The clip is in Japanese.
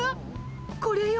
これよ